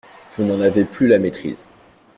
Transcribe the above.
Vous n’en avez plus la maîtrise.